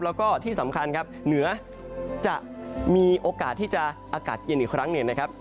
แล้วก็ที่สำคัญครับเหนือจะมีโอกาสที่จะอากาศเย็นอีกครั้งหนึ่งนะครับ